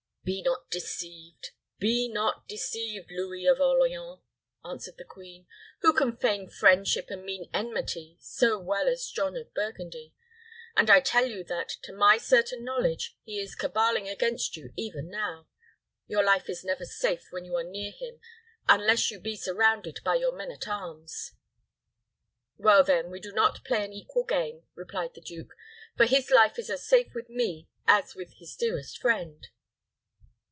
"Be not deceived be not deceived, Louis of Orleans," answered the queen. "Who can feign friendship and mean enmity so well as John of Burgundy? And I tell you that, to my certain knowledge, he is caballing against you even now. Your life is never safe when you are near him unless you be surrounded by your men at arms." "Well, then, we do not play an equal game," replied the duke; "for his life is as safe with me as with his dearest friend."